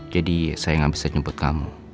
jadi saya gak bisa nyebut kamu